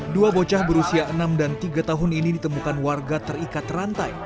dua bocah berusia enam dan tiga tahun ini ditemukan warga terikat rantai